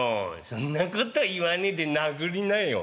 「そんなこと言わねえで殴りなよ」。